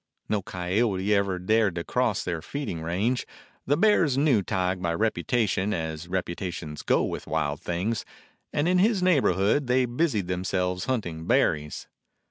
No coyote ever dared to cross their feeding range. The bears knew Tige by reputation, as reputations go with wild things, and in his neighborhood they busied themselves hunting berries.